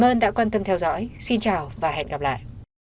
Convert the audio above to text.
cảm ơn đã quan tâm theo dõi xin chào và hẹn gặp lại